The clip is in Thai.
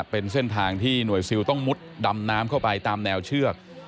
เป็นเส้นทางที่หน่วยซิลต้องมุดดำน้ำเข้าไปตามแนวเชือก